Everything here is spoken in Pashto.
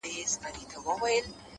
هره رڼا له کوچنۍ ځلا پیلېږي